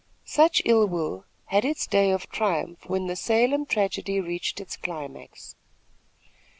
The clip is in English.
Such ill will had its day of triumph when the Salem tragedy reached its climax.